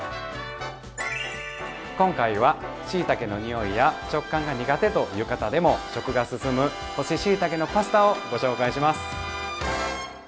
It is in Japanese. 今回はしいたけの匂いや食感が苦手という方でも食が進む干ししいたけのパスタをご紹介します。